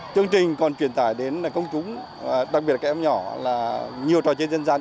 chương trình còn truyền tải đến công chúng đặc biệt là các em nhỏ là nhiều trò chơi dân gian